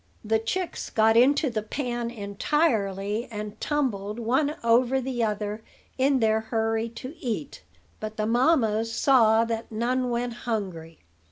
The chicks got into the pan entirely, and tumbled one over the other in their hurry to eat; but the mammas saw that none went hungry.